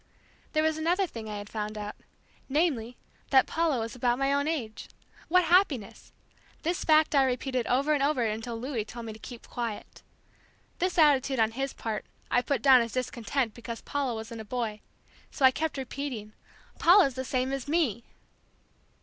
There was another thing I had found out; namely, that Paula was about my own age. What happiness! This fact I repeated over and over until Louis told me to keep quiet. This attitude on his part I put down as discontent because Paula wasn't a boy, so I kept repeating, "Paula's the same as me!"